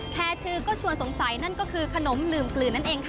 แค่ชื่อก็ชวนสงสัยนั่นก็คือขนมลืมกลืนนั่นเองค่ะ